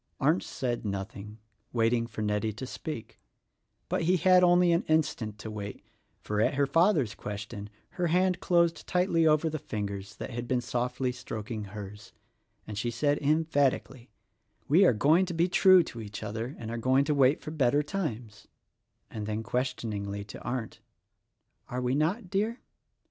Arndt said nothing, waiting for Nettie to speak; but he had only an instant to wait, for at her father's question her hand dosed tightly over the fingers that had been softly stroking kers, and she said emphatically, "We are going to be true to each other and are going to wait for better times," and then questioningly to Arndt, "Are we not, dear?"